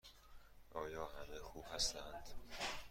آیا همه خوب هستند؟